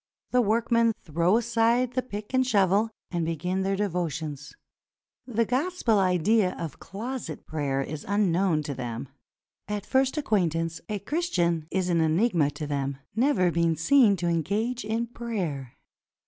The work men throw aside the pick and shovel and begin their 459 PERSIA devotions. The Gospel idea of closet prayer is unknown to them. At first acquaintance a Christian is an enigma to them, never being seen to engage in prayer.